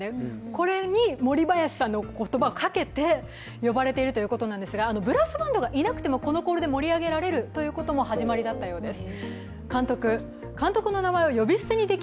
これに森林さんの言葉をかけて呼ばれているということなんですがブラスバンドがいなくても、このコールで盛り上げることができるというのも始まりだったそうです。